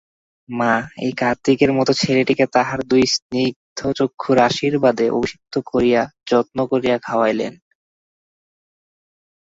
মা এই কার্তিকের মতো ছেলেটিকে তাঁহার দুই স্নিগ্ধচক্ষুর আশীর্বাদে অভিষিক্ত করিয়া যত্ন করিয়া খাওয়াইলেন।